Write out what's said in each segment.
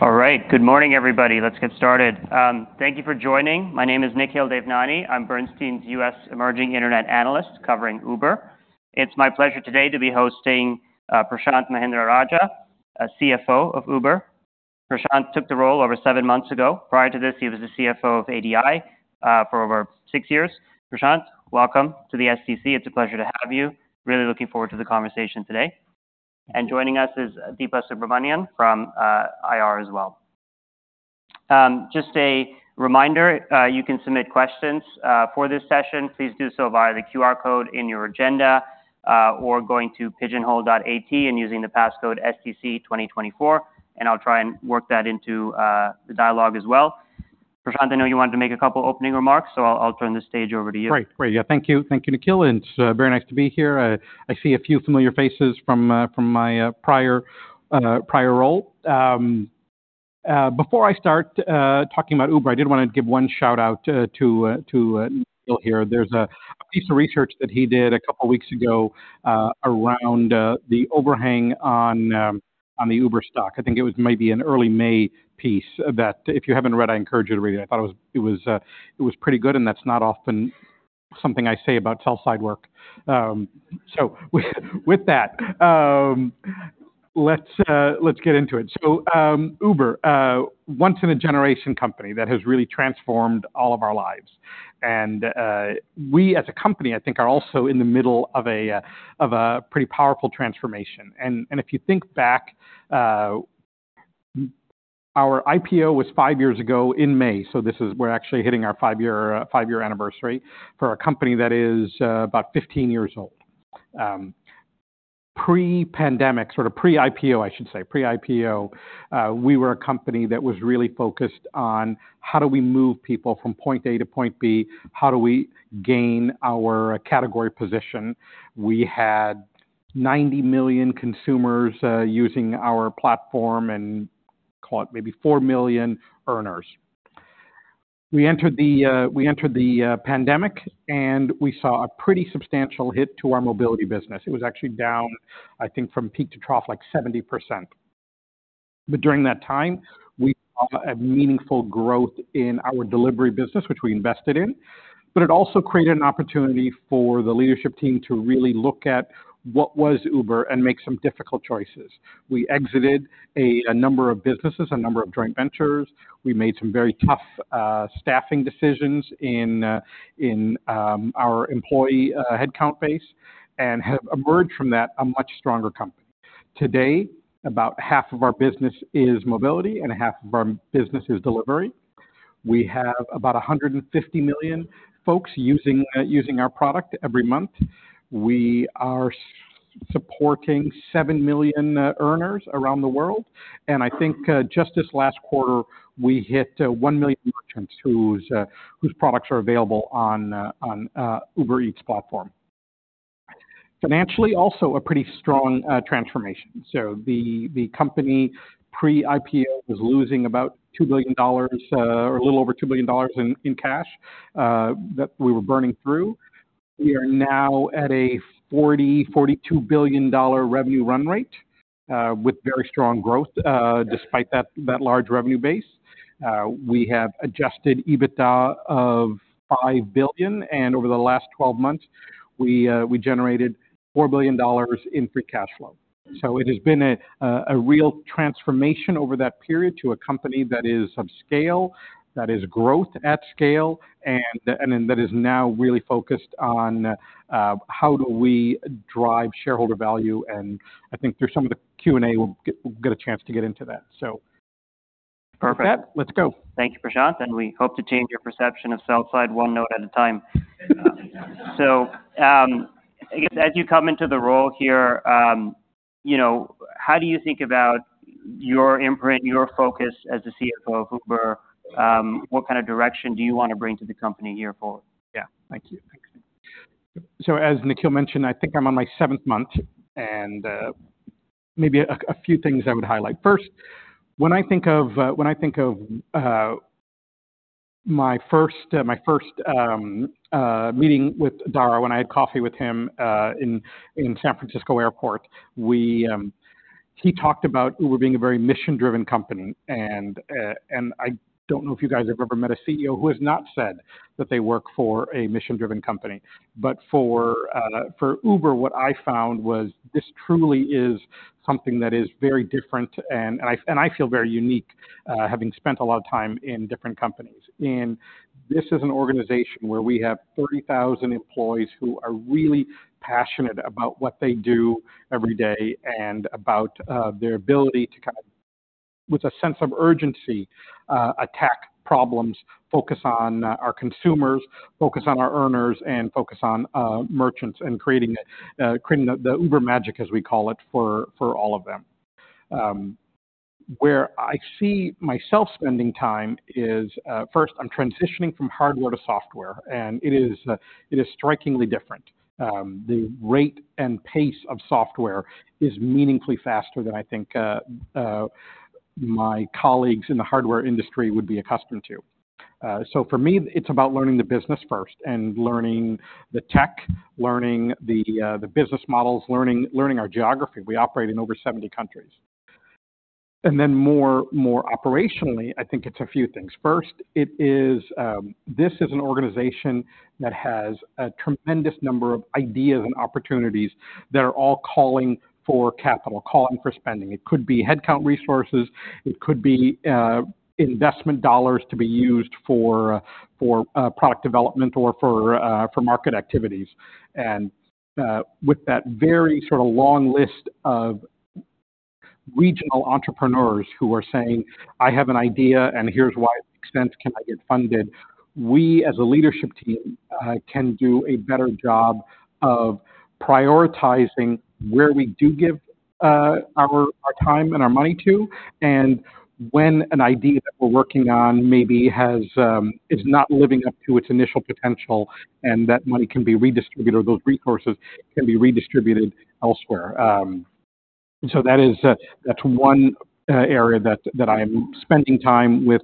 All right. Good morning, everybody. Let's get started. Thank you for joining. My name is Nikhil Devnani. I'm Bernstein's U.S. Emerging Internet Analyst covering Uber. It's my pleasure today to be hosting Prashanth Mahendra-Rajah, CFO of Uber. Prashanth took the role over seven months ago. Prior to this, he was the CFO of ADI for over six years. Prashanth, welcome to the SDC. It's a pleasure to have you. Really looking forward to the conversation today. Joining us is Deepa Subramanian from IR as well. Just a reminder, you can submit questions for this session. Please do so via the QR code in your agenda or going to pigeonhole.at and using the passcode SDC 2024, and I'll try and work that into the dialogue as well. Prashanth, I know you wanted to make a couple opening remarks, so I'll, I'll turn the stage over to you. Great. Great. Yeah. Thank you. Thank you, Nikhil. It's very nice to be here. I see a few familiar faces from my prior role. Before I start talking about Uber, I did want to give one shout-out to Nikhil here. There's a piece of research that he did a couple of weeks ago around the overhang on the Uber stock. I think it was maybe an early May piece that if you haven't read, I encourage you to read it. I thought it was pretty good, and that's not often something I say about sell-side work. So with that, let's get into it. So Uber, once-in-a-generation company that has really transformed all of our lives. We, as a company, I think, are also in the middle of a pretty powerful transformation. If you think back, our IPO was five years ago in May, so this is, we're actually hitting our five-year anniversary for a company that is about 15 years old. Pre-pandemic, sort of pre-IPO, I should say, pre-IPO, we were a company that was really focused on how do we move people from point A to point B? How do we gain our category position? We had 90 million consumers using our platform and call it maybe four million earners. We entered the pandemic, and we saw a pretty substantial hit to our mobility business. It was actually down, I think, from peak to trough, like 70%. But during that time, we saw a meaningful growth in our delivery business, which we invested in, but it also created an opportunity for the leadership team to really look at what was Uber and make some difficult choices. We exited a number of businesses, a number of joint ventures. We made some very tough staffing decisions in our employee headcount base, and have emerged from that a much stronger company. Today, about half of our business is mobility and half of our business is delivery. We have about 150 million folks using our product every month. We are supporting seven million earners around the world, and I think just this last quarter, we hit one million merchants whose products are available on Uber Eats platform. Financially, also a pretty strong transformation. So the company, pre-IPO, was losing about $2 billion, or a little over $2 billion in cash that we were burning through. We are now at a $40 billion-$42 billion revenue run rate, with very strong growth, despite that large revenue base. We have adjusted EBITDA of $5 billion, and over the last 12 months, we generated $4 billion in free cash flow. So it has been a real transformation over that period to a company that is of scale, that is growth at scale, and then that is now really focused on how do we drive shareholder value, and I think through some of the Q&A, we'll get a chance to get into that. So. Perfect. Let's go. Thank you, Prashanth, and we hope to change your perception of sell side, one note at a time. So, I guess as you come into the role here, you know, how do you think about your imprint, your focus as the CFO of Uber? What kind of direction do you want to bring to the company here forward? Yeah. Thank you. So, as Nikhil mentioned, I think I'm on my seventh month, and maybe a few things I would highlight. First, when I think of my first meeting with Dara, when I had coffee with him in San Francisco Airport, he talked about Uber being a very mission-driven company. And I don't know if you guys have ever met a CEO who has not said that they work for a mission-driven company. But for Uber, what I found was this truly is something that is very different, and I feel very unique having spent a lot of time in different companies. This is an organization where we have 30,000 employees who are really passionate about what they do every day and about their ability to kind of, with a sense of urgency, attack problems, focus on our consumers, focus on our earners, and focus on merchants, and creating the Uber magic, as we call it, for all of them. Where I see myself spending time is first, I'm transitioning from hardware to software, and it is strikingly different. The rate and pace of software is meaningfully faster than I think my colleagues in the hardware industry would be accustomed to. So for me, it's about learning the business first and learning the tech, learning the business models, learning our geography. We operate in over 70 countries. And then more operationally, I think it's a few things. First, this is an organization that has a tremendous number of ideas and opportunities that are all calling for capital, calling for spending. It could be headcount resources, it could be investment dollars to be used for product development or for market activities. And with that very sort of long list of regional entrepreneurs who are saying, "I have an idea, and here's why to what extent can I get funded?" We, as a leadership team, can do a better job of prioritizing where we do give our time and our money to, and when an idea that we're working on maybe is not living up to its initial potential, and that money can be redistributed or those resources can be redistributed elsewhere. So that is, that's one area that I'm spending time with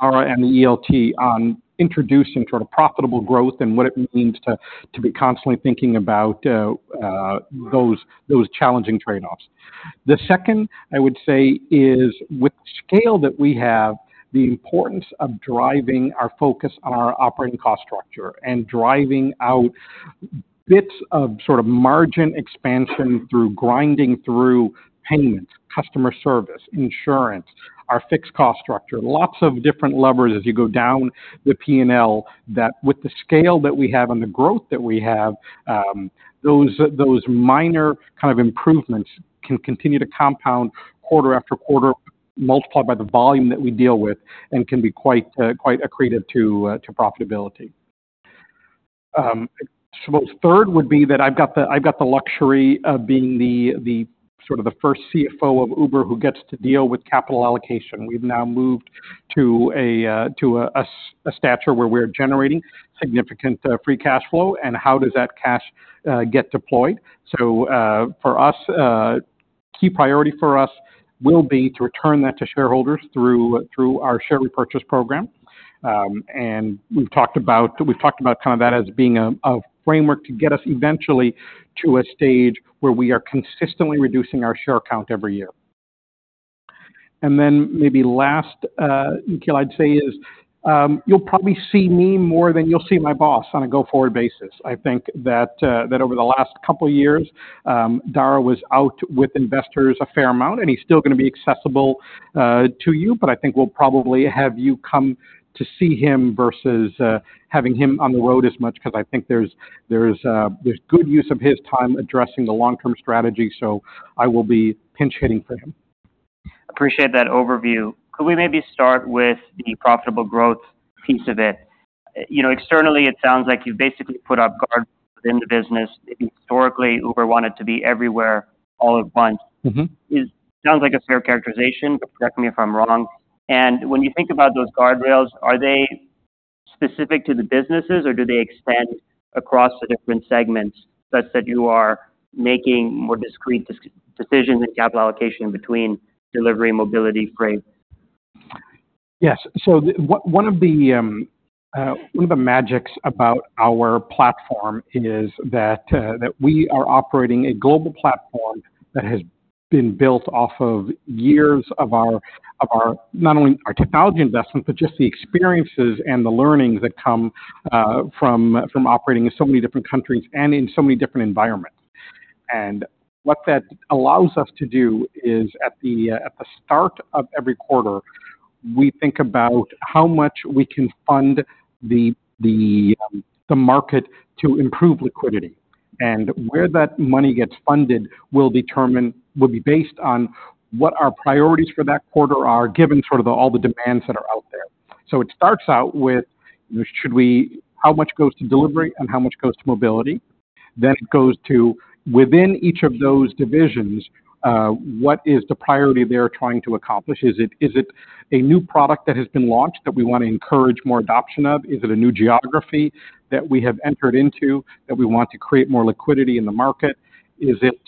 Dara and the ELT on introducing sort of profitable growth and what it means to be constantly thinking about those challenging trade-offs. The second, I would say, is with the scale that we have, the importance of driving our focus on our operating cost structure and driving out bits of sort of margin expansion through grinding through payments, customer service, insurance, our fixed cost structure, lots of different levers as you go down the P&L, that with the scale that we have and the growth that we have, those minor kind of improvements can continue to compound quarter after quarter, multiplied by the volume that we deal with, and can be quite accretive to profitability. So third would be that I've got the luxury of being the sort of the first CFO of Uber who gets to deal with capital allocation. We've now moved to a stature where we're generating significant free cash flow, and how does that cash get deployed? So, for us, key priority for us will be to return that to shareholders through our share repurchase program. And we've talked about kind of that as being a framework to get us eventually to a stage where we are consistently reducing our share count every year. And then maybe last, Nikhil, I'd say is you'll probably see me more than you'll see my boss on a go-forward basis. I think that over the last couple of years, Dara was out with investors a fair amount, and he's still gonna be accessible to you, but I think we'll probably have you come to see him versus having him on the road as much, because I think there's good use of his time addressing the long-term strategy, so I will be pinch-hitting for him. Appreciate that overview. Could we maybe start with the profitable growth piece of it? You know, externally, it sounds like you've basically put up guardrails within the business. Historically, Uber wanted to be everywhere all at once. Mm-hmm. It sounds like a fair characterization, but correct me if I'm wrong. When you think about those guardrails, are they specific to the businesses, or do they extend across the different segments, such that you are making more discrete decisions in capital allocation between delivery, mobility, freight? Yes. So one of the magics about our platform is that we are operating a global platform that has been built off of years of our not only our technology investment, but just the experiences and the learnings that come from operating in so many different countries and in so many different environments. And what that allows us to do is at the start of every quarter, we think about how much we can fund the market to improve liquidity. And where that money gets funded will be based on what our priorities for that quarter are, given sort of all the demands that are out there. So it starts out with, should we, how much goes to delivery and how much goes to mobility? Then it goes to, within each of those divisions, what is the priority they're trying to accomplish? Is it a new product that has been launched that we want to encourage more adoption of? Is it a new geography that we have entered into, that we want to create more liquidity in the market? Is it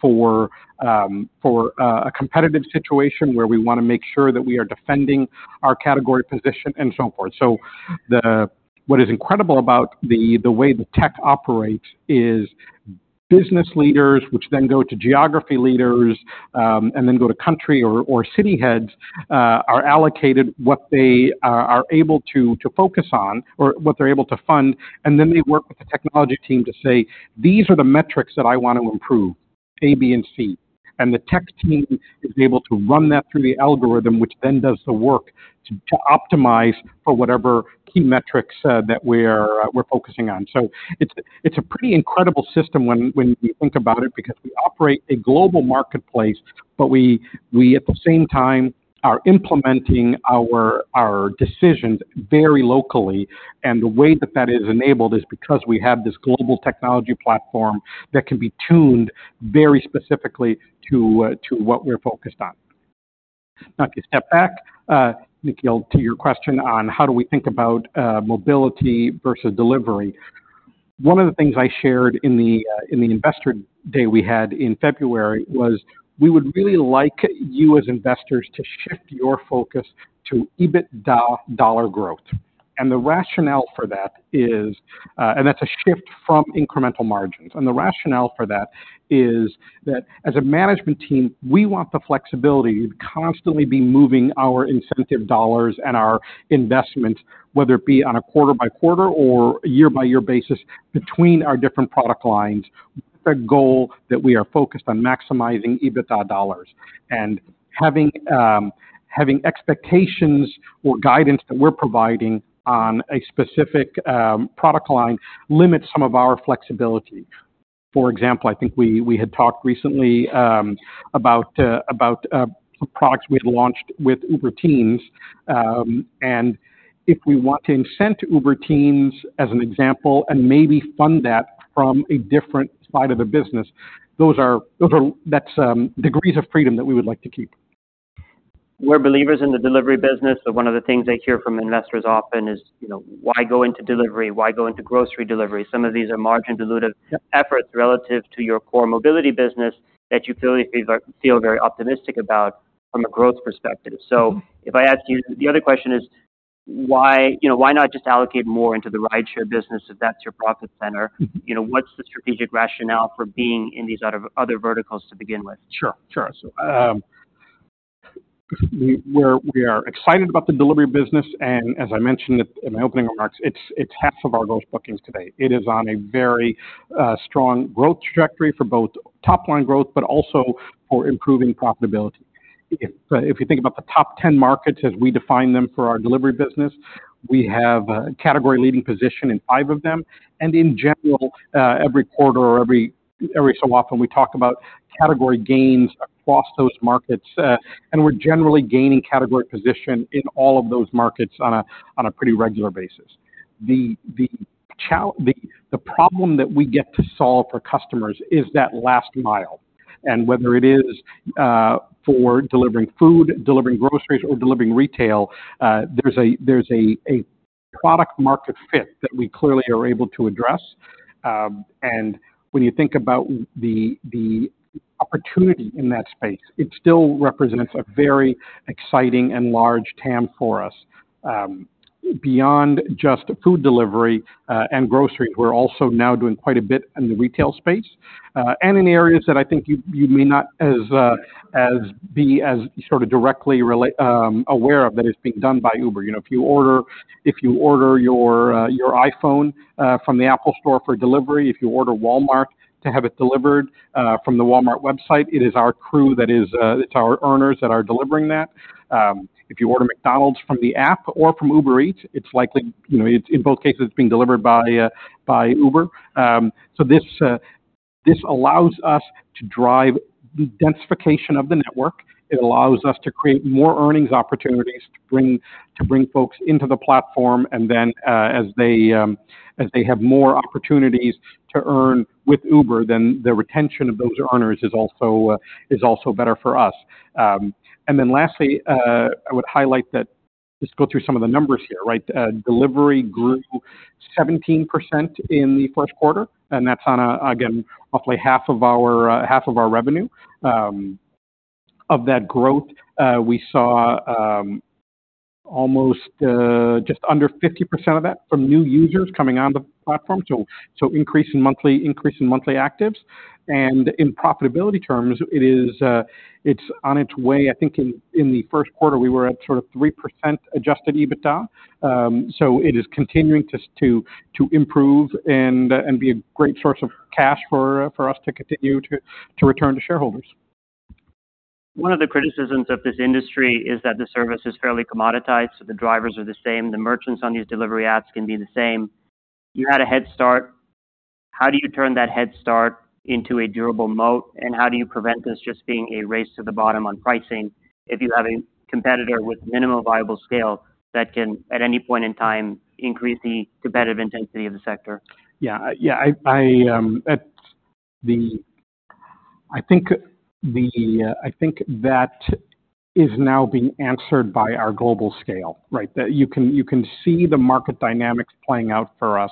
for a competitive situation where we want to make sure that we are defending our category position, and so forth. So what is incredible about the way the tech operates is business leaders, which then go to geography leaders, and then go to country or city heads are allocated what they are able to focus on or what they're able to fund, and then they work with the technology team to say: These are the metrics that I want to improve, A, B, and C. The tech team is able to run that through the algorithm, which then does the work to optimize for whatever key metrics that we're focusing on. It's a pretty incredible system when you think about it, because we operate a global marketplace, but we at the same time are implementing our decisions very locally. And the way that that is enabled is because we have this global technology platform that can be tuned very specifically to what we're focused on. Now, to step back, Nikhil, to your question on how do we think about mobility versus delivery? One of the things I shared in the investor day we had in February was we would really like you as investors to shift your focus to EBITDA dollar growth. And the rationale for that is, and that's a shift from incremental margins. And the rationale for that is that as a management team, we want the flexibility to constantly be moving our incentive dollars and our investment, whether it be on a quarter-by-quarter or year-by-year basis, between our different product lines. The goal that we are focused on maximizing EBITDA dollars. Having expectations or guidance that we're providing on a specific product line limits some of our flexibility. For example, I think we had talked recently about products we had launched with Uber Teens. And if we want to incent Uber Teens as an example, and maybe fund that from a different side of the business, those are degrees of freedom that we would like to keep. We're believers in the delivery business, but one of the things I hear from investors often is, you know, why go into delivery? Why go into grocery delivery? Some of these are margin-dilutive efforts relative to your core mobility business that you feel very optimistic about from a growth perspective. So if I ask you, the other question is, why, you know, why not just allocate more into the rideshare business if that's your profit center? You know, what's the strategic rationale for being in these other verticals to begin with? Sure, sure. We are excited about the delivery business, and as I mentioned in my opening remarks, it's half of our gross bookings today. It is on a very strong growth trajectory for both top-line growth, but also for improving profitability. If you think about the top 10 markets as we define them for our delivery business, we have a category-leading position in five of them. And in general, every quarter or every so often, we talk about category gains across those markets, and we're generally gaining category position in all of those markets on a pretty regular basis. The problem that we get to solve for customers is that last mile, and whether it is for delivering food, delivering groceries, or delivering retail, there's a product market fit that we clearly are able to address. And when you think about the opportunity in that space, it still represents a very exciting and large TAM for us. Beyond just food delivery and groceries, we're also now doing quite a bit in the retail space, and in areas that I think you may not be as sort of directly aware of that is being done by Uber. You know, if you order your iPhone from the Apple Store for delivery, if you order Walmart to have it delivered from the Walmart website, it is our crew that is, it's our earners that are delivering that. If you order McDonald's from the app or from Uber Eats, it's likely, you know, it's in both cases, it's being delivered by Uber. So this allows us to drive densification of the network. It allows us to create more earnings opportunities to bring folks into the platform, and then, as they have more opportunities to earn with Uber, then the retention of those earners is also better for us. And then lastly, I would highlight that, just go through some of the numbers here, right? Delivery grew 17% in the first quarter, and that's on, again, roughly half of our revenue. Of that growth, we saw almost just under 50% of that from new users coming on the platform. So, increase in monthly actives. And in profitability terms, it is, it's on its way. I think in the first quarter, we were at sort of 3% adjusted EBITDA. So it is continuing to improve and be a great source of cash for us to continue to return to shareholders. One of the criticisms of this industry is that the service is fairly commoditized, so the drivers are the same, the merchants on these delivery apps can be the same. You had a head start. How do you turn that head start into a durable moat? And how do you prevent this just being a race to the bottom on pricing if you have a competitor with minimum viable scale that can, at any point in time, increase the competitive intensity of the sector? Yeah. Yeah, I think that is now being answered by our global scale, right? That you can, you can see the market dynamics playing out for us.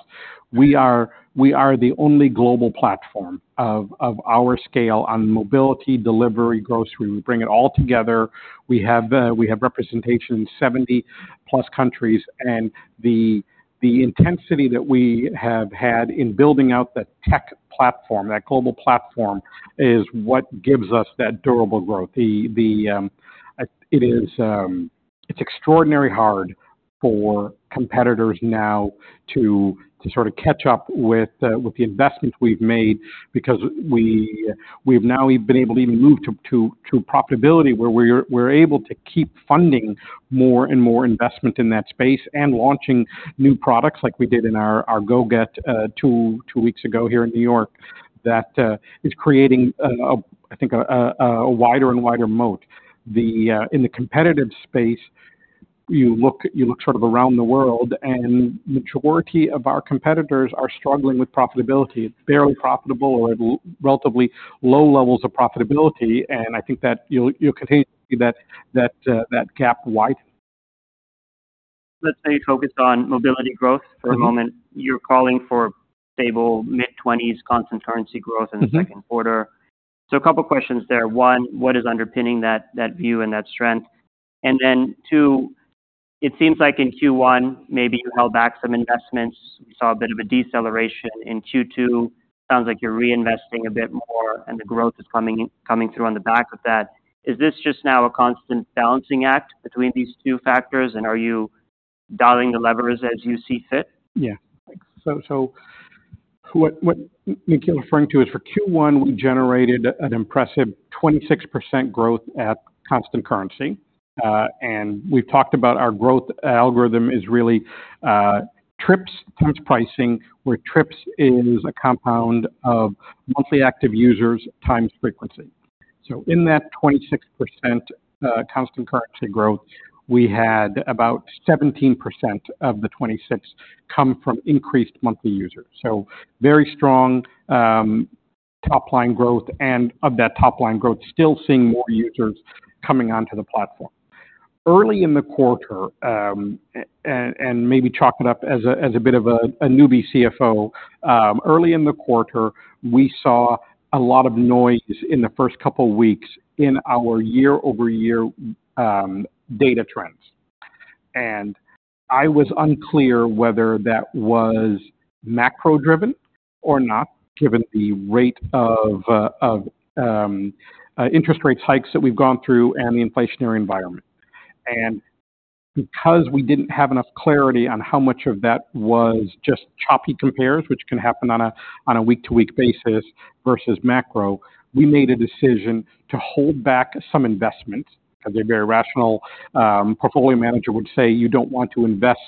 We are, we are the only global platform of, of our scale on mobility, delivery, grocery. We bring it all together. We have representation in 70+ countries, and the, the intensity that we have had in building out that tech platform, that global platform, is what gives us that durable growth. It's extraordinarily hard for competitors now to sort of catch up with the investment we've made because we've now even been able to move to profitability, where we're able to keep funding more and more investment in that space and launching new products like we did in our GO-GET two weeks ago here in New York. That is creating, I think, a wider and wider moat. In the competitive space, you look sort of around the world, and majority of our competitors are struggling with profitability. It's barely profitable or at relatively low levels of profitability, and I think that you'll continue to see that gap widen. Let's stay focused on mobility growth for a moment. You're calling for stable mid-20s constant currency growth in the second quarter. Mm-hmm. So a couple questions there. One, what is underpinning that, that view and that strength? And then two, it seems like in Q1, maybe you held back some investments. We saw a bit of a deceleration in Q2. Sounds like you're reinvesting a bit more, and the growth is coming, coming through on the back of that. Is this just now a constant balancing act between these two factors, and are you dialing the levers as you see fit? Yeah. So what Nikhil referring to is for Q1, we generated an impressive 26% growth at constant currency. And we've talked about our growth algorithm is really trips times pricing, where trips is a compound of monthly active users times frequency. So in that 26%, constant currency growth, we had about 17% of the 26% come from increased monthly users. So very strong top-line growth, and of that top line growth, still seeing more users coming onto the platform. Early in the quarter, and maybe chalk it up as a bit of a newbie CFO. Early in the quarter, we saw a lot of noise in the first couple of weeks in our year-over-year data trends. I was unclear whether that was macro-driven or not, given the rate of interest rate hikes that we've gone through and the inflationary environment. And because we didn't have enough clarity on how much of that was just choppy compares, which can happen on a week-to-week basis versus macro, we made a decision to hold back some investment, as a very rational portfolio manager would say, you don't want to invest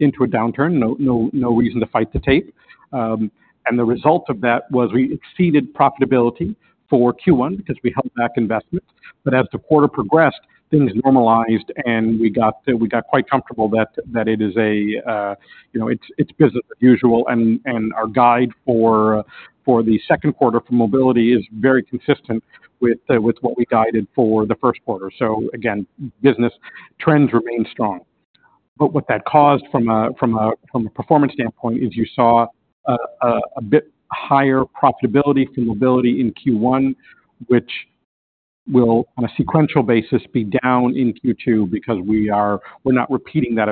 into a downturn. No, no, no reason to fight the tape. And the result of that was we exceeded profitability for Q1 because we held back investments. But as the quarter progressed, things normalized, and we got quite comfortable that it is, you know, it's business as usual. Our guide for the second quarter for mobility is very consistent with what we guided for the first quarter. Again, business trends remain strong. But what that caused from a performance standpoint is you saw a bit higher profitability for mobility in Q1, which will, on a sequential basis, be down in Q2 because we are, we're not repeating that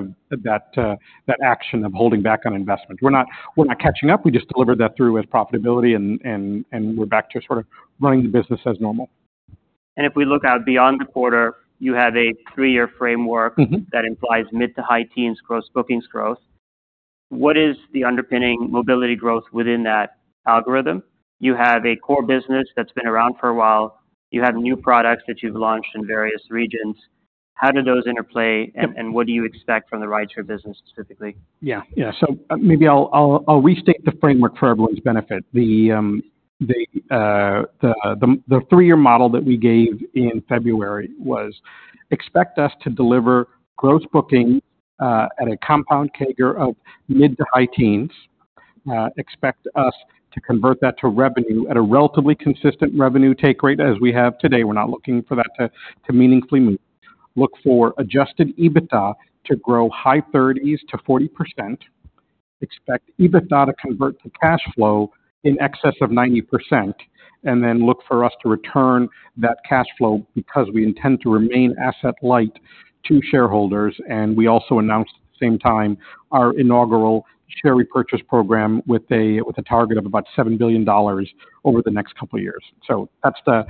action of holding back on investment. We're not catching up. We just delivered that through as profitability and we're back to sort of running the business as normal. If we look out beyond the quarter, you have a three-year framework. Mm-hmm. That implies mid- to high-teens gross bookings growth. What is the underpinning mobility growth within that algorithm? You have a core business that's been around for a while. You have new products that you've launched in various regions. How do those interplay? Yep. What do you expect from the rideshare business specifically? Yeah, yeah. So maybe I'll restate the framework for everyone's benefit. The three-year model that we gave in February was: expect us to deliver gross bookings at a compound CAGR of mid- to high teens. Expect us to convert that to revenue at a relatively consistent revenue take rate as we have today. We're not looking for that to meaningfully move. Look for adjusted EBITDA to grow high 30%s-40%. Expect EBITDA to convert to cash flow in excess of 90%, and then look for us to return that cash flow because we intend to remain asset light to shareholders, and we also announced at the same time our inaugural share repurchase program with a target of about $7 billion over the next couple of years. So that's the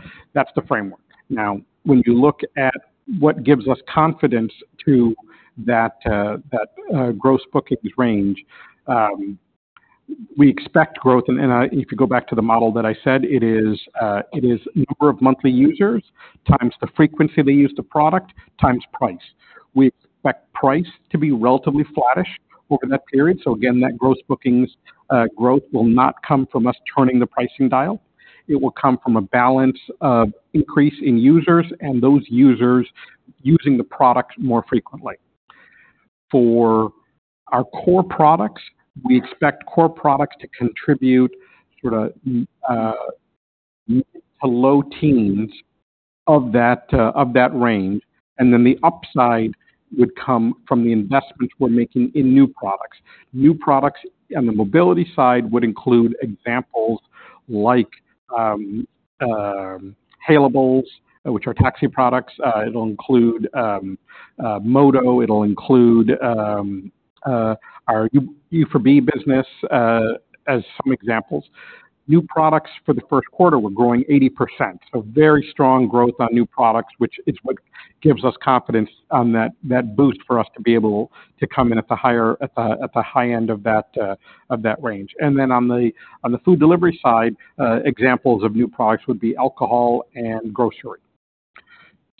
framework. Now, when you look at what gives us confidence to that gross bookings range, we expect growth, and if you go back to the model that I said, it is number of monthly users times the frequency they use the product, times price. We expect price to be relatively flattish over that period. So again, that gross bookings growth will not come from us turning the pricing dial. It will come from a balance of increase in users and those users using the product more frequently. For our core products, we expect core products to contribute sort of a low teens of that range, and then the upside would come from the investments we're making in new products. New products on the mobility side would include examples like hailables, which are taxi products. It'll include Moto, it'll include our U4B business, as some examples. New products for the first quarter were growing 80%. So very strong growth on new products, which is what gives us confidence on that, that boost for us to be able to come in at the higher, at the high end of that range. And then on the food delivery side, examples of new products would be alcohol and grocery.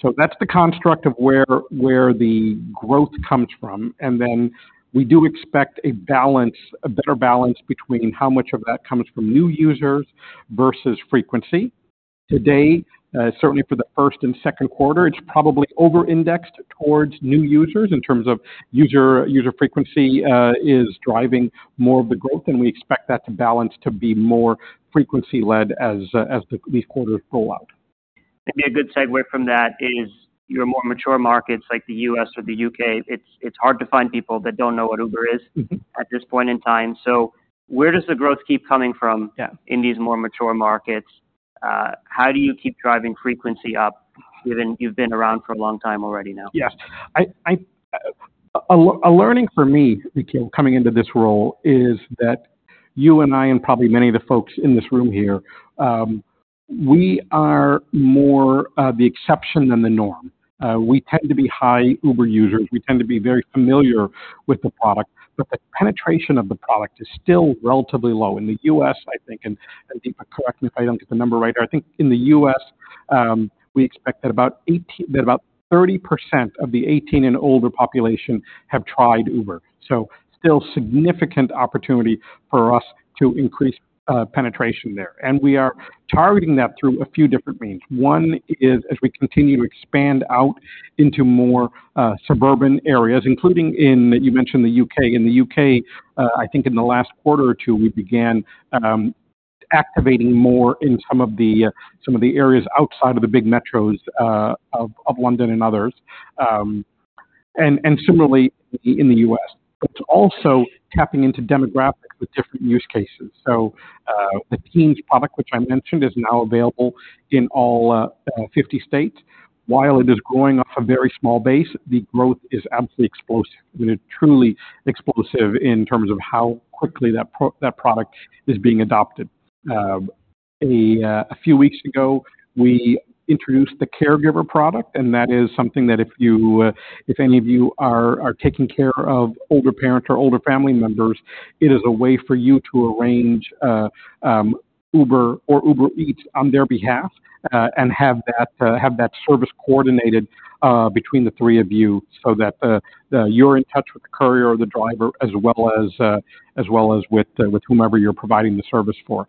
So that's the construct of where the growth comes from. And then we do expect a balance, a better balance between how much of that comes from new users versus frequency. Today, certainly for the first and second quarter, it's probably over-indexed towards new users in terms of user frequency, is driving more of the growth, and we expect that to balance to be more frequency-led as these quarters roll out. Maybe a good segue from that is your more mature markets, like the U.S. or the U.K., it's hard to find people that don't know what Uber is. Mm-hmm. At this point in time. So where does the growth keep coming from? Yeah. In these more mature markets? How do you keep driving frequency up, given you've been around for a long time already now? Yes. A learning for me, Nikhil, coming into this role is that you and I, and probably many of the folks in this room here, we are more the exception than the norm. We tend to be high Uber users. We tend to be very familiar with the product, but the penetration of the product is still relatively low. In the U.S., I think, and Deepa, correct me if I don't get the number right, I think in the U.S., we expect that about 30% of the 18 and older population have tried Uber, so still significant opportunity for us to increase penetration there. And we are targeting that through a few different means. One is, as we continue to expand out into more suburban areas, including in, you mentioned the U.K. In the U.K., I think in the last quarter or two, we began activating more in some of the areas outside of the big metros of London and others, and similarly in the U.S., but also tapping into demographics with different use cases. So, the teens product, which I mentioned, is now available in all 50 states. While it is growing off a very small base, the growth is absolutely explosive. I mean, truly explosive in terms of how quickly that product is being adopted. A few weeks ago, we introduced the Caregiver product, and that is something that if any of you are taking care of older parents or older family members. It is a way for you to arrange Uber or Uber Eats on their behalf, and have that service coordinated between the three of you so that you're in touch with the courier or the driver, as well as with whomever you're providing the service for.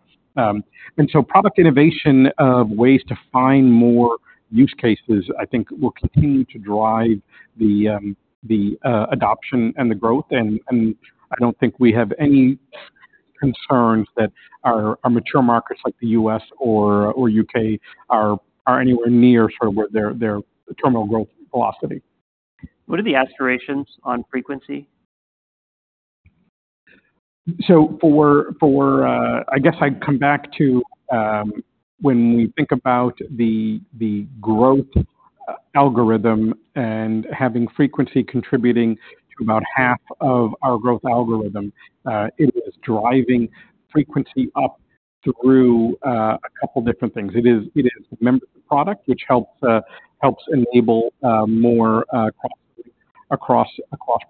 Product innovation of ways to find more use cases, I think, will continue to drive the adoption and the growth, and I don't think we have any concerns that our mature markets, like the U.S. or U.K., are anywhere near sort of where their terminal growth velocity. What are the aspirations on frequency? So, I guess I'd come back to when we think about the growth algorithm and having frequency contributing to about half of our growth algorithm. It is driving frequency up through a couple different things. It is a membership product, which helps enable more across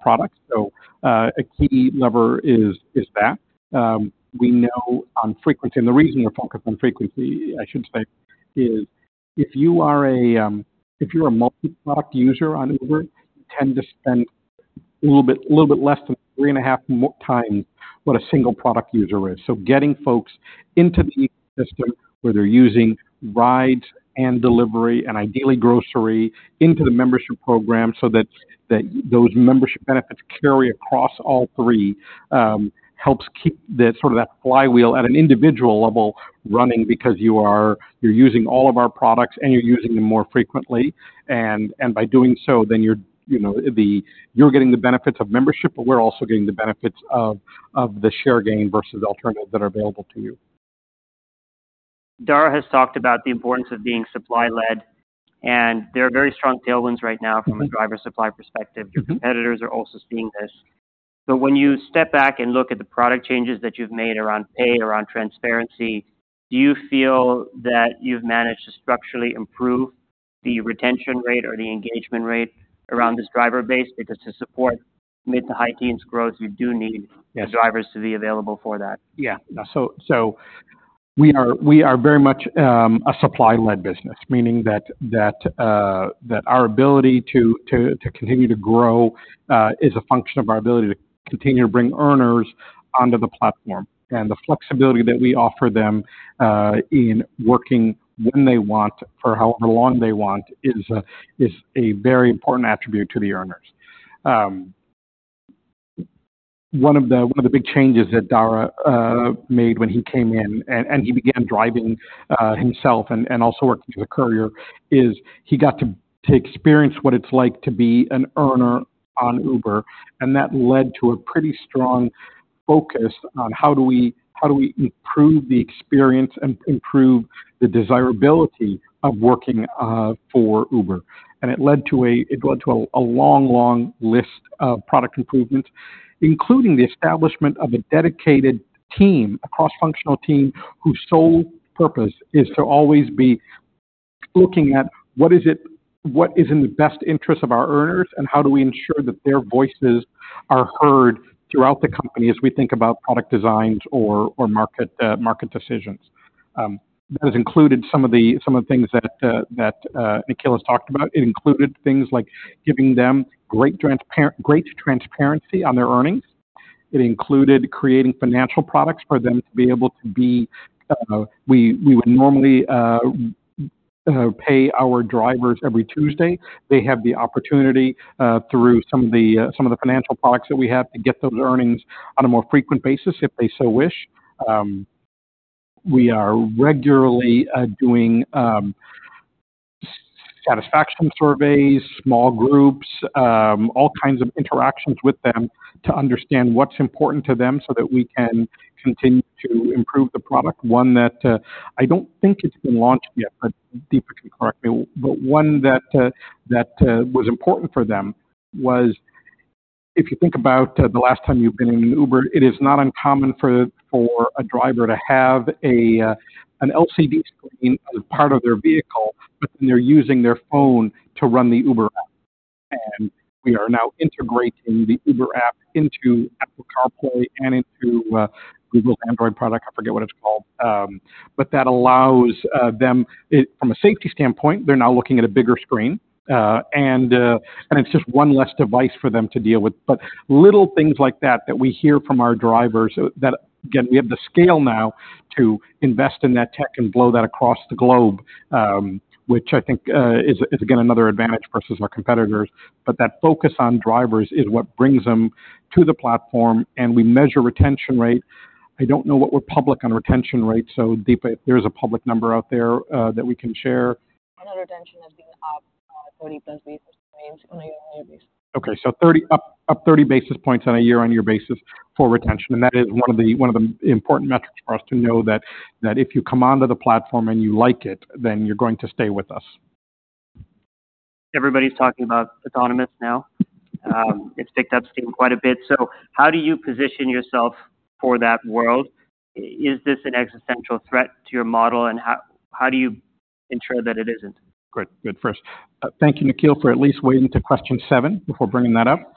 products. So, a key lever is that. We know on frequency, and the reason we're focused on frequency, I should state, is if you're a multi-product user on Uber, you tend to spend a little bit less than 3.5 more times what a single product user is. So getting folks into the system, where they're using rides and delivery and ideally grocery, into the membership program, so that those membership benefits carry across all three, helps keep the sort of that flywheel at an individual level running because you're using all of our products, and you're using them more frequently. And by doing so, then you're, you know, you're getting the benefits of membership, but we're also getting the benefits of the share gain versus alternatives that are available to you. Dara has talked about the importance of being supply-led, and there are very strong tailwinds right now from a driver supply perspective. Mm-hmm. Your competitors are also seeing this. But when you step back and look at the product changes that you've made around pay, around transparency, do you feel that you've managed to structurally improve the retention rate or the engagement rate around this driver base? Because to support mid- to high-teens growth, you do need. Yes. The drivers to be available for that. Yeah. So we are very much a supply-led business, meaning that our ability to continue to grow is a function of our ability to continue to bring earners onto the platform. And the flexibility that we offer them in working when they want for however long they want is a very important attribute to the earners. One of the big changes that Dara made when he came in, and he began driving himself and also working as a courier, is he got to experience what it's like to be an earner on Uber, and that led to a pretty strong focus on how do we improve the experience and improve the desirability of working for Uber? It led to a long, long list of product improvements, including the establishment of a dedicated team, a cross-functional team, whose sole purpose is to always be looking at what is in the best interest of our earners, and how do we ensure that their voices are heard throughout the company as we think about product designs or market decisions? That has included some of the things that Nikhil has talked about. It included things like giving them great transparency on their earnings. It included creating financial products for them to be able to be, we would normally pay our drivers every Tuesday. They have the opportunity, through some of the financial products that we have, to get those earnings on a more frequent basis, if they so wish. We are regularly doing satisfaction surveys, small groups, all kinds of interactions with them to understand what's important to them so that we can continue to improve the product. One that I don't think it's been launched yet, but Deepa can correct me, but one that was important for them was if you think about the last time you've been in an Uber, it is not uncommon for a driver to have an LCD screen as a part of their vehicle, but then they're using their phone to run the Uber app. We are now integrating the Uber app into Apple CarPlay and into Google's Android product, I forget what it's called. But that allows, from a safety standpoint, they're now looking at a bigger screen, and it's just one less device for them to deal with. But little things like that, that we hear from our drivers, that, again, we have the scale now to invest in that tech and blow that across the globe, which I think is again, another advantage versus our competitors. But that focus on drivers is what brings them to the platform, and we measure retention rate. I don't know what we're public on retention rate, so Deepa, if there's a public number out there that we can share. Our retention has been up 30+ basis points on a year-on-year basis. Okay, so 30 up, up 30 basis points on a year-on-year basis for retention. And that is one of the, one of the important metrics for us to know that, that if you come onto the platform and you like it, then you're going to stay with us. Everybody's talking about autonomous now. It's picked up steam quite a bit. So how do you position yourself for that world? Is this an existential threat to your model, and how do you ensure that it isn't? Great. Good. First, thank you, Nikhil, for at least waiting to question seven before bringing that up.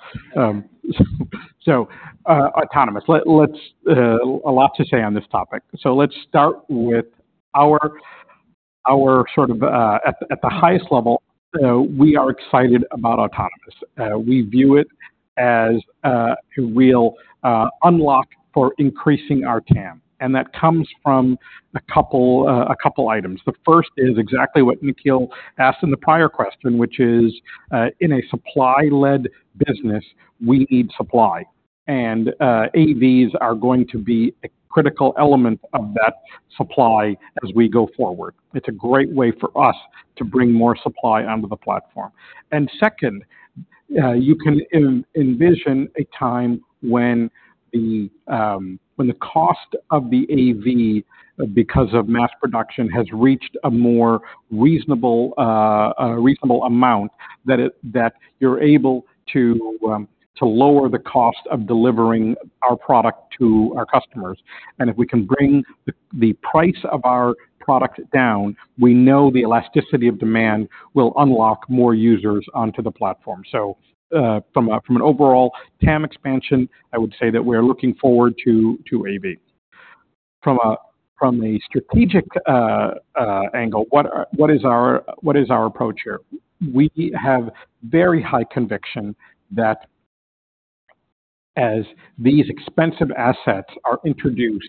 So, autonomous. A lot to say on this topic. So let's start with our, our sort of, at the highest level, we are excited about autonomous. We view it as a real unlock for increasing our TAM, and that comes from a couple, a couple items. The first is exactly what Nikhil asked in the prior question, which is, in a supply-led business, we need supply, and, AVs are going to be a critical element of that supply as we go forward. It's a great way for us to bring more supply onto the platform. And second, you can envision a time when the cost of the AV, because of mass production, has reached a more reasonable amount, that you're able to lower the cost of delivering our product to our customers. And if we can bring the price of our product down, we know the elasticity of demand will unlock more users onto the platform. So, from an overall TAM expansion, I would say that we are looking forward to AV. From a strategic angle, what is our approach here? We have very high conviction that as these expensive assets are introduced,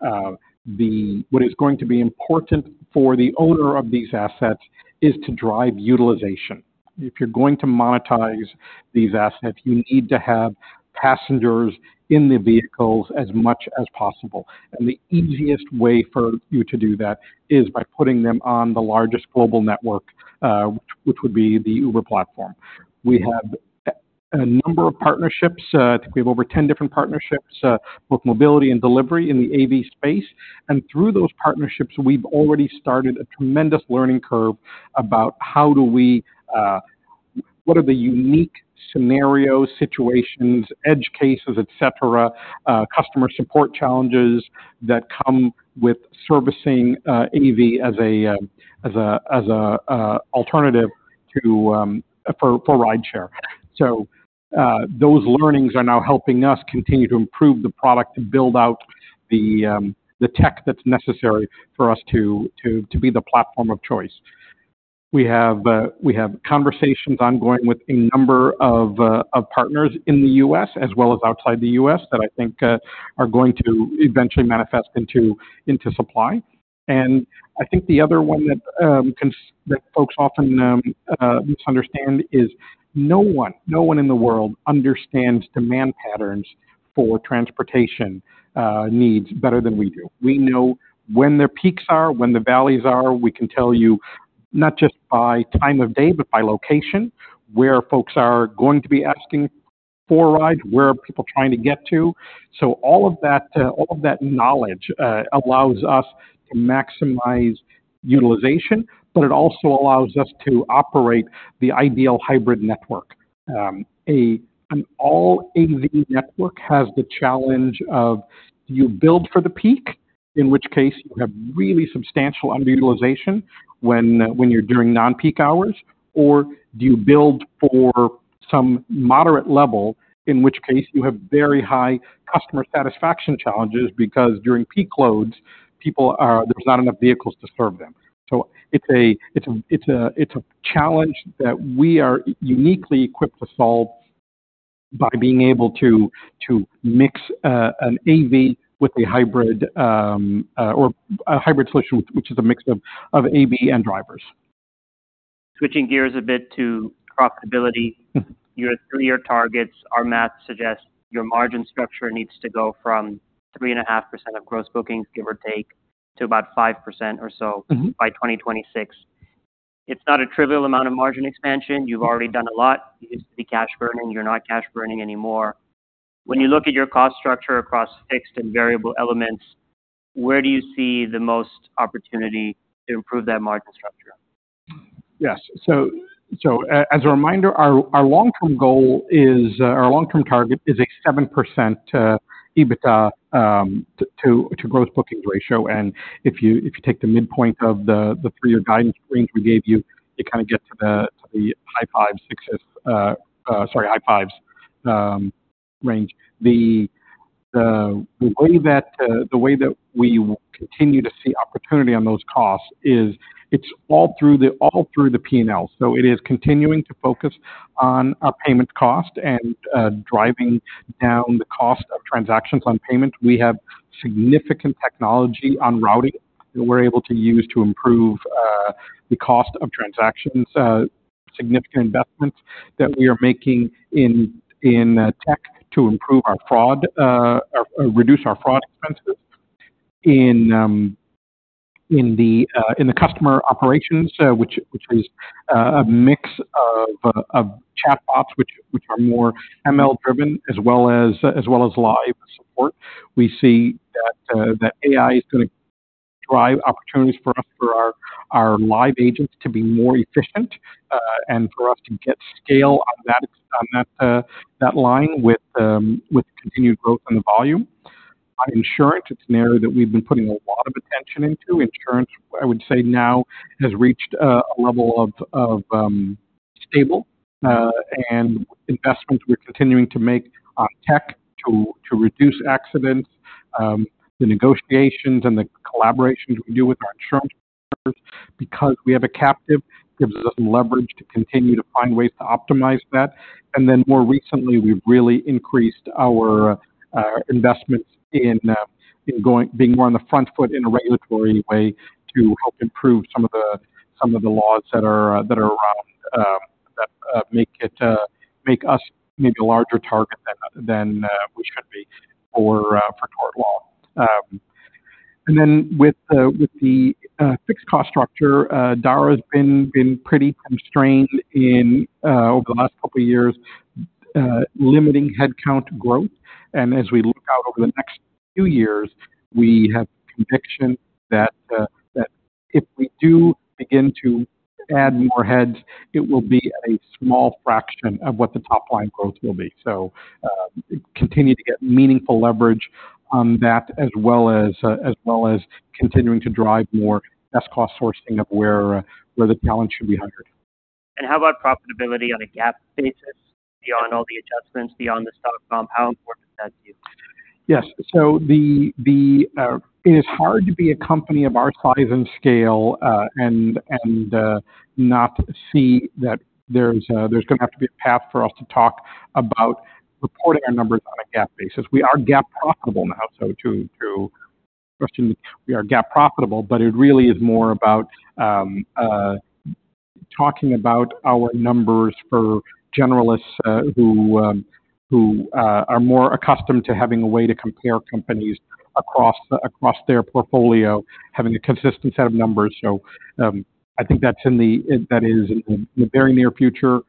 what is going to be important for the owner of these assets is to drive utilization. If you're going to monetize these assets, you need to have passengers in the vehicles as much as possible. The easiest way for you to do that is by putting them on the largest global network, which would be the Uber platform. We have a number of partnerships. I think we have over 10 different partnerships, both mobility and delivery in the AV space. Through those partnerships, we've already started a tremendous learning curve about what are the unique scenarios, situations, edge cases, et cetera, customer support challenges that come with servicing AV as an alternative to for rideshare. So, those learnings are now helping us continue to improve the product and build out the tech that's necessary for us to be the platform of choice. We have conversations ongoing with a number of partners in the U.S. as well as outside the U.S. that I think are going to eventually manifest into supply. And I think the other one that folks often misunderstand is no one in the world understands demand patterns for transportation needs better than we do. We know when their peaks are, when the valleys are. We can tell you not just by time of day, but by location, where folks are going to be asking for rides, where are people trying to get to. So all of that, all of that knowledge allows us to maximize utilization, but it also allows us to operate the ideal hybrid network. An all-AV network has the challenge of, do you build for the peak, in which case you have really substantial underutilization when, when you're doing non-peak hours, or do you build for some moderate level, in which case you have very high customer satisfaction challenges because during peak loads, people are- there's not enough vehicles to serve them. So it's a challenge that we are uniquely equipped to solve by being able to mix an AV with a hybrid or a hybrid solution, which is a mix of AV and drivers. Switching gears a bit to profitability. Mm-hmm. Your three-year targets, our math suggests your margin structure needs to go from 3.5% of gross bookings, give or take, to about 5% or so. Mm-hmm. By 2026. It's not a trivial amount of margin expansion. You've already done a lot. You used to be cash burning, you're not cash burning anymore. When you look at your cost structure across fixed and variable elements, where do you see the most opportunity to improve that margin structure? Yes. So, as a reminder, our long-term goal is our long-term target is a 7% EBITDA to gross bookings ratio. And if you take the midpoint of the three-year guidance range we gave you, you kind of get to the high 50s range. The way that we will continue to see opportunity on those costs is it's all through the P&L. So it is continuing to focus on a payment cost and driving down the cost of transactions on payment. We have significant technology on routing that we're able to use to improve the cost of transactions, significant investments that we are making in tech to improve our fraud or reduce our fraud expenses. In the customer operations, which is a mix of chatbots, which are more ML driven, as well as live support. We see that AI is gonna drive opportunities for us, for our live agents to be more efficient, and for us to get scale on that line with continued growth in the volume. On insurance, it's an area that we've been putting a lot of attention into. Insurance, I would say now, has reached a level of stable, and investments we're continuing to make on tech to reduce accidents, the negotiations and the collaborations we do with our insurance partners, because we have a captive, gives us some leverage to continue to find ways to optimize that. And then more recently, we've really increased our investments in going, being more on the front foot in a regulatory way to help improve some of the laws that are around that make us maybe a larger target than we should be for tort law. And then with the fixed cost structure, Dara's been pretty constrained over the last couple of years, limiting headcount growth. And as we look out over the next few years, we have conviction that if we do begin to add more heads, it will be at a small fraction of what the top line growth will be. So, continue to get meaningful leverage on that, as well as continuing to drive more best cost sourcing of where the talent should be hired. How about profitability on a GAAP basis? Beyond all the adjustments, beyond the stock comp, how important is that to you? Yes. So the it is hard to be a company of our size and scale, and not see that there's there's gonna have to be a path for us to talk about reporting our numbers on a GAAP basis. We are GAAP profitable now, so to to question, we are GAAP profitable, but it really is more about talking about our numbers for generalists who who are more accustomed to having a way to compare companies across across their portfolio, having a consistent set of numbers. So I think that's in the, that is in the very near future.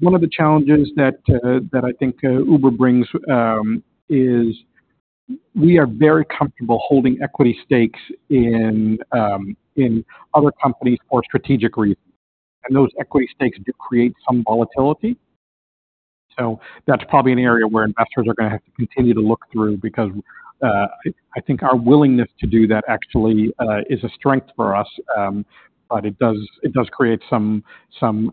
One of the challenges that that I think Uber brings is we are very comfortable holding equity stakes in in other companies for strategic reasons, and those equity stakes do create some volatility. So that's probably an area where investors are gonna have to continue to look through, because I think our willingness to do that actually is a strength for us, but it does create some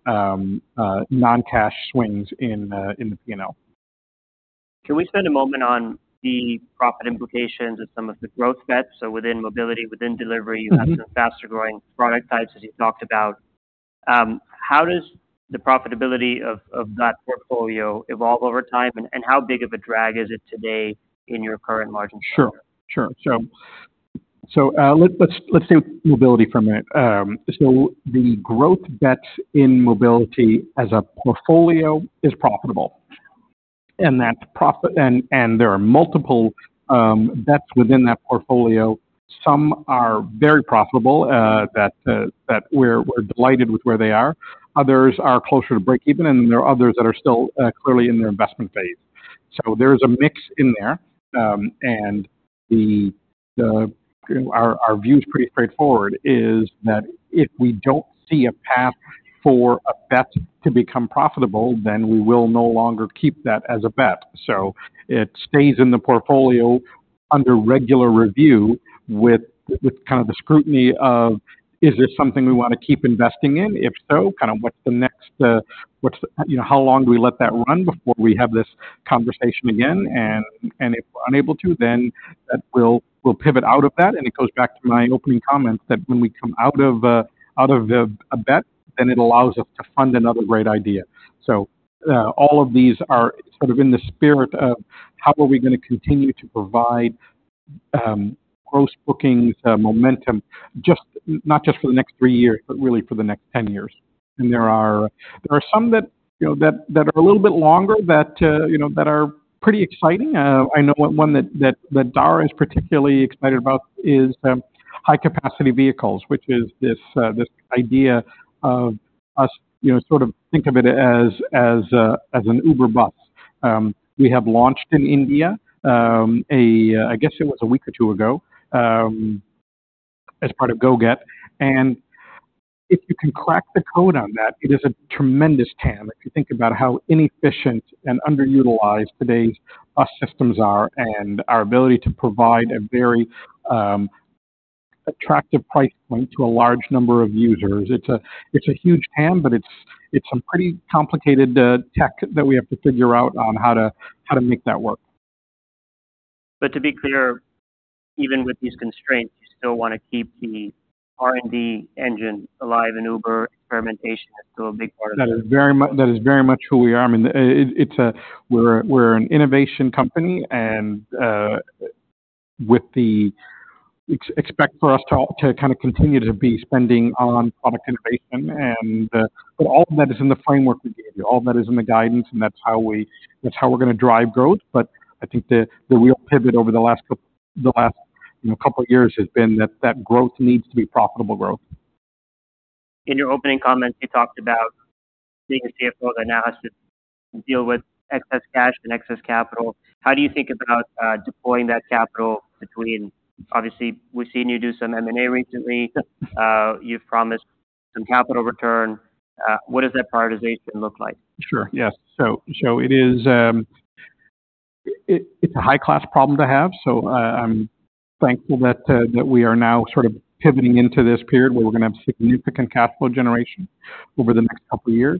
non-cash swings in the P&L. Can we spend a moment on the profit implications of some of the growth bets? So within mobility, within delivery. Mm-hmm. You have some faster-growing product types, as you talked about. How does the profitability of that portfolio evolve over time, and how big of a drag is it today in your current margin structure? Sure. So let's take mobility for a minute. So the growth bets in mobility as a portfolio is profitable, and that and there are multiple bets within that portfolio. Some are very profitable, that we're delighted with where they are. Others are closer to breakeven, and there are others that are still clearly in their investment phase. So there is a mix in there, and the Our view is pretty straightforward, is that if we don't see a path for a bet to become profitable, then we will no longer keep that as a bet. So it stays in the portfolio under regular review, with kind of the scrutiny of: Is this something we want to keep investing in? If so, kind of what's next, you know, how long do we let that run before we have this conversation again? And if we're unable to, then we'll pivot out of that, and it goes back to my opening comments, that when we come out of a bet, then it allows us to fund another great idea. So, all of these are sort of in the spirit of how are we gonna continue to provide gross bookings momentum, just, not just for the next three years, but really for the next 10 years. And there are some that, you know, that are a little bit longer, you know, that are pretty exciting. I know one that, that, that Dara is particularly excited about is high-capacity vehicles, which is this, this idea of us, you know, sort of think of it as, as, as an Uber Bus. We have launched in India, a, I guess it was a week or two ago, as part of GO-GET. And if you can crack the code on that, it is a tremendous TAM. If you think about how inefficient and underutilized today's bus systems are, and our ability to provide a very attractive price point to a large number of users, it's a, it's a huge TAM, but it's, it's some pretty complicated tech that we have to figure out on how to, how to make that work. To be clear, even with these constraints, you still want to keep the R&D engine alive in Uber? Experimentation is still a big part of that. That is very much who we are. I mean, it's a, we're an innovation company, and with the expectation for us to kind of continue to be spending on product innovation. But all of that is in the framework we gave you. All of that is in the guidance, and that's how we're gonna drive growth. But I think the real pivot over the last couple, the last, you know, couple of years has been that that growth needs to be profitable growth. In your opening comments, you talked about being a CFO that now has to deal with excess cash and excess capital. How do you think about deploying that capital between, obviously, we've seen you do some M&A recently. You've promised some capital return. What does that prioritization look like? Sure. Yes. It is a high-class problem to have, so I'm thankful that we are now sort of pivoting into this period where we're gonna have significant capital generation over the next couple of years.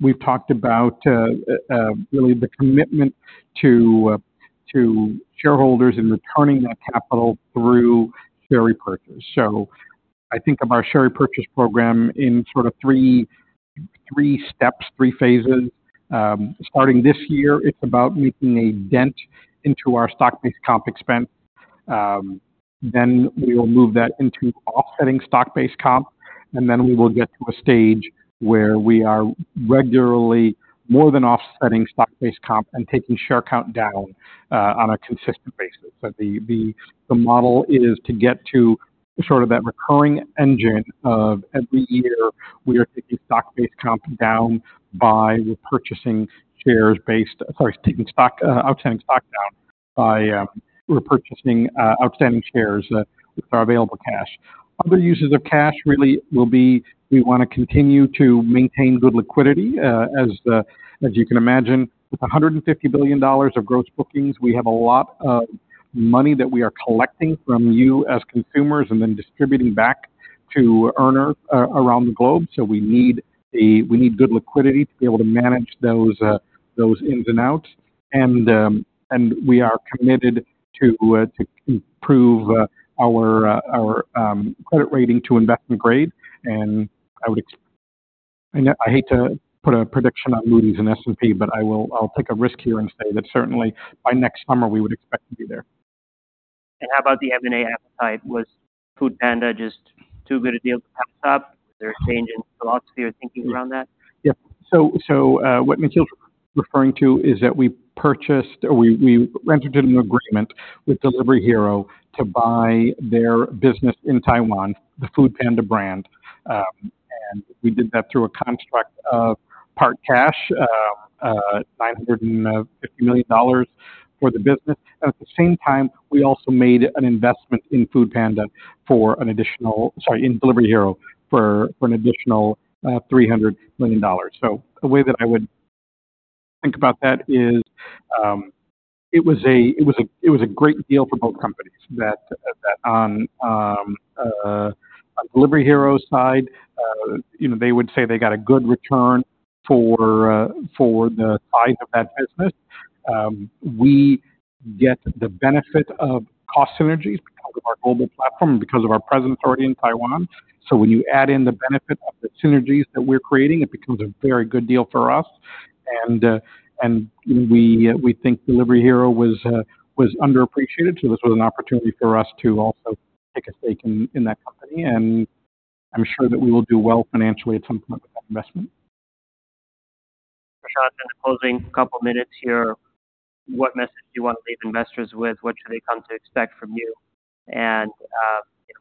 We've talked about really the commitment to shareholders in returning that capital through share repurchase. So I think of our share repurchase program in sort of three steps, three phases. Starting this year, it's about making a dent into our stock-based comp expense. Then we will move that into offsetting stock-based comp, and then we will get to a stage where we are regularly more than offsetting stock-based comp and taking share count down on a consistent basis. But the model is to get to sort of that recurring engine of every year, we are taking stock-based comp down by repurchasing shares based, of course, taking outstanding stock down by repurchasing outstanding shares with our available cash. Other uses of cash really will be, we wanna continue to maintain good liquidity. As you can imagine, with $150 billion of gross bookings, we have a lot of money that we are collecting from you as consumers and then distributing back to earners around the globe. So we need good liquidity to be able to manage those ins and outs. And we are committed to improve our credit rating to investment grade. I hate to put a prediction on Moody's and S&P, but I'll take a risk here and say that certainly by next summer, we would expect to be there. How about the M&A appetite? Was Foodpanda just too good a deal to pass up? Is there a change in philosophy or thinking around that? Yeah. So, what Nikhil's referring to is that we purchased or we entered into an agreement with Delivery Hero to buy their business in Taiwan, the Foodpanda brand. And we did that through a construct of part cash, $950 million for the business. And at the same time, we also made an investment in Foodpanda for an additional, sorry, in Delivery Hero, for an additional $300 million. So the way that I would think about that is, it was a great deal for both companies. That on Delivery Hero's side, you know, they would say they got a good return for the size of that business. We get the benefit of cost synergies because of our global platform and because of our presence already in Taiwan. So when you add in the benefit of the synergies that we're creating, it becomes a very good deal for us. And we think Delivery Hero was underappreciated, so this was an opportunity for us to also take a stake in that company, and I'm sure that we will do well financially at some point with that investment. Prashanth, in the closing couple minutes here, what message do you want to leave investors with? What should they come to expect from you? And,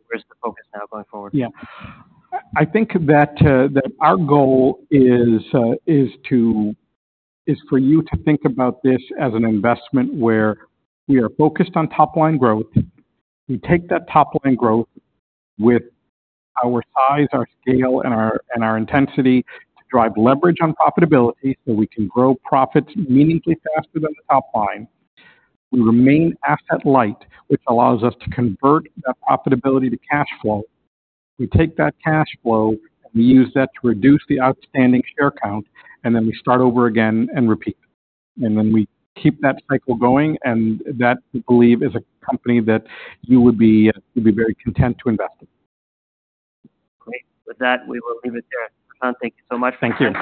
where's the focus now going forward? Yeah. I think that our goal is for you to think about this as an investment where we are focused on top-line growth. We take that top-line growth with our size, our scale, and our intensity to drive leverage on profitability, so we can grow profits meaningfully faster than the top line. We remain asset light, which allows us to convert that profitability to cash flow. We take that cash flow, we use that to reduce the outstanding share count, and then we start over again and repeat. And then we keep that cycle going, and that, we believe, is a company that you would be very content to invest in. Great. With that, we will leave it there. Prashanth, thank you so much. Thank you.